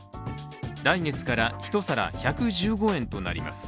来月から１皿１１５円となります。